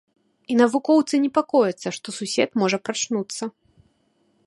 І навукоўцы непакояцца, што сусед можа прачнуцца.